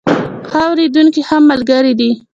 ښه اورېدونکي ښه ملګري دي.